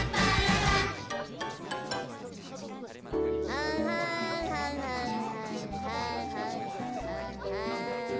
はんはんはんはんはんはんはんははんはん。